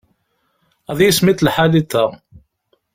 Ad yismiḍ lḥal iḍ-a.